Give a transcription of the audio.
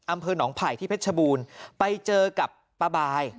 อำเภอหนองไผ่ที่เพชรชบูรณ์ไปเจอกับป้าบาย